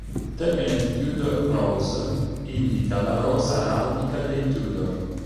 Il termine "Tudor Rose" indica la rosa araldica dei Tudor.